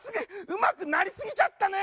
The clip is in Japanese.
うまくなりすぎちゃったね！